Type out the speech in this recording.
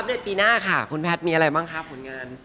ในปีหน้าค่ะคุณแพทย์มีอะไรบ้างคะผลงาน